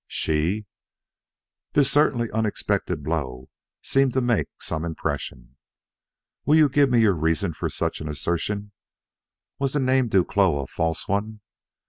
"She?" This certainly unexpected blow seemed to make some impression. "Will you give me your reasons for such an assertion? Was the name Duclos a false one?